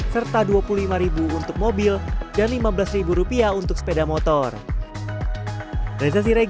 serta dua puluh lima untuk mobil dan lima belas rupiah untuk sepeda motor